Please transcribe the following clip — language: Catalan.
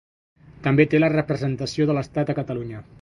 També té la representació de l'Estat a Catalunya.